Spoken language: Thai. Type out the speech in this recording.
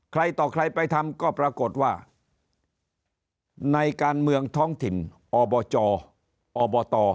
ต่อใครไปทำก็ปรากฏว่าในการเมืองท้องถิ่นอบจอบต